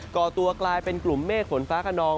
ก่อตัวกลายเป็นกลุ่มเมฆฝนฟ้าขนอง